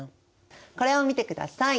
これを見てください！